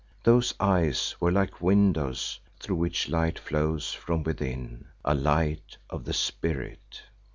Those eyes were like windows through which light flows from within, a light of the spirit.